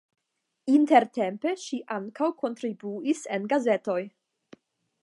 Intertempe ŝi ankaŭ kontribuis en gazetoj.